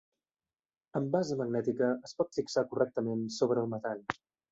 Amb base magnètica es pot fixar correctament sobre el metall.